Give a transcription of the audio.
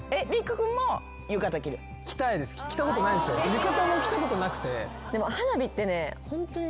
浴衣も着たことなくて。